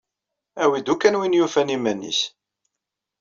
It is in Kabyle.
Awi-d ukan win yufan iman-is.